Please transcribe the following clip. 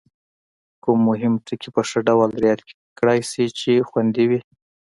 کوم مهم ټکي په ښه ډول رعایت کړای شي چې خوندي وي؟